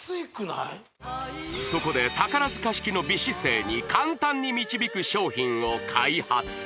そこで宝塚式の美姿勢に簡単に導く商品を開発